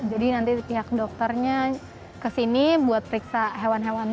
jadi nanti pihak dokternya kesini buat periksa hewan hewannya sih